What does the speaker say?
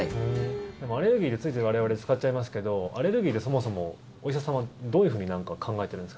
アレルギーってついつい我々使っちゃいますけどアレルギーってそもそもお医者さんはどういうふうに考えてるんですか？